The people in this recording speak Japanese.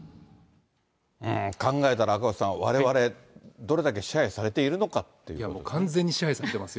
考えたら赤星さん、われわれ、どれだけ支配されているのかっていう。